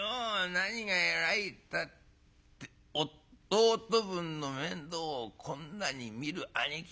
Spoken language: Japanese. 何が偉いったって弟分の面倒をこんなに見る兄貴